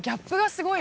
すごい。